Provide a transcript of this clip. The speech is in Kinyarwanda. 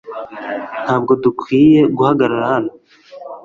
Ntabwo dukwiye guhagarara hano .